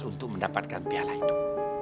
untuk mendapatkan piala itu